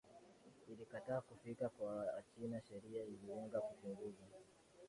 ilikataa kufika kwa Wachina sheria ililenga kupunguza